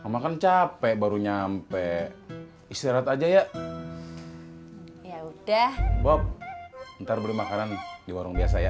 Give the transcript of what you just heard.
makan capek baru nyampe istirahat aja ya udah bob ntar beli makanan di warung biasa ya